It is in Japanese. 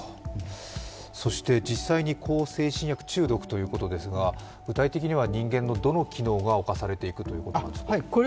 そして実際に向精神薬中毒ということですが、具体的には人間のどの機能がおかされていくということなんですか？